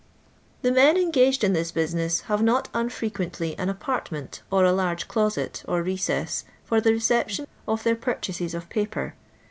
The men engaged in this business have not nn&equently an apartment, or a large closet, or recess, for the reception of their purchases of paper.